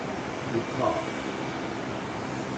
Meqqar.